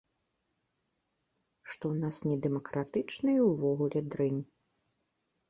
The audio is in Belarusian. Што ў нас недэмакратычна, і ўвогуле дрэнь.